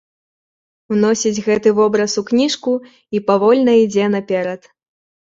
Уносіць гэты вобраз у кніжку і павольна ідзе наперад.